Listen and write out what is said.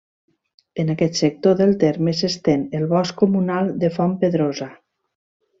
En aquest sector del terme s'estén el Bosc Comunal de Fontpedrosa.